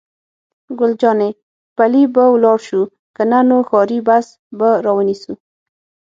ګل جانې: پلي به ولاړ شو، که نه نو ښاري بس به را ونیسو.